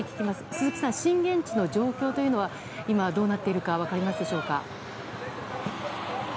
鈴木さん、震源地の状況は今、どうなっているか分かりますか。